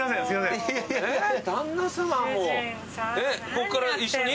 ここから一緒に？